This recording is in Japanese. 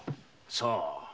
さあ。